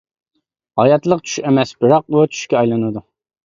ھاياتلىق چۈش ئەمەس، بىراق ئۇ چۈشكە ئايلىنىدۇ.